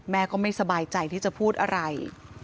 ก็ไม่สบายใจที่จะพูดอะไร